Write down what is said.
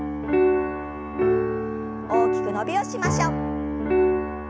大きく伸びをしましょう。